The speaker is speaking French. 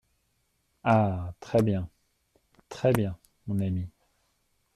Ah ! très bien ! très bien ! mon ami !